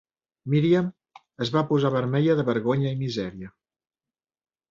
Míriam es va posar vermella de vergonya i misèria.